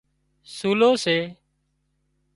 سُولو سي